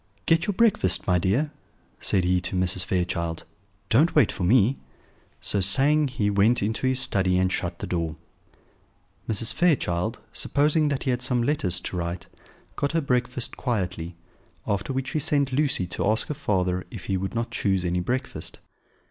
"Get your breakfast, my dear," said he to Mrs. Fairchild; "don't wait for me." So saying, he went into his study and shut the door. Mrs. Fairchild, supposing that he had some letters to write, got her breakfast quietly; after which she sent Lucy to ask her father if he would not choose any breakfast.